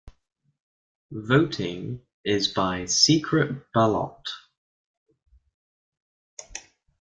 Voting is by secret ballot.